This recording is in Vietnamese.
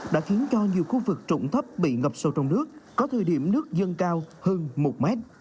đã khiến cho nhiều khu vực trụng thấp bị ngập sâu trong nước có thời điểm nước dâng cao hơn một mét